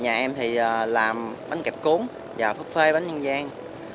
nhà em làm bánh kèp cuốn phố phê bánh viên danh